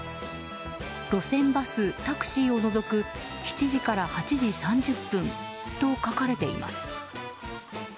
路線バス、タクシーを除く７時から８時３０分と書かれています。